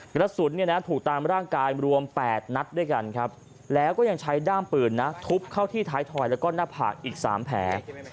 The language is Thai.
กระสุนถูกตามร่างกายรวม๘นัดด้วยกันครับแล้วก็ยังใช้ด้ามปืนนะทุบเข้าที่ท้ายถอยแล้วก็หน้าผากอีก๓แผล